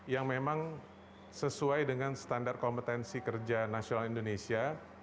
yang memang sesuai dengan standar kompetensi kerja nasional indonesia